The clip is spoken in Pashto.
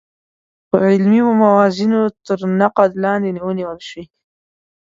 په علمي موازینو تر نقد لاندې ونیول شي.